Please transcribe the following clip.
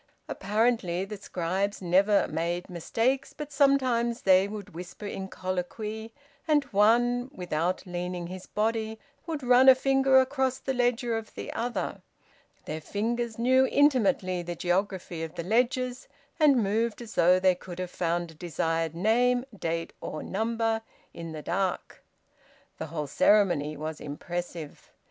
Apparently the scribes never made mistakes, but sometimes they would whisper in colloquy, and one, without leaning his body, would run a finger across the ledger of the other; their fingers knew intimately the geography of the ledgers, and moved as though they could have found a desired name, date, or number, in the dark. The whole ceremony was impressive.